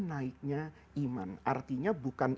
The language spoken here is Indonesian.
naiknya iman artinya bukan